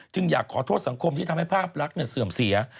อยากขอโทษสังคมที่ทำให้ภาพลักษณ์เสื่อมเสีย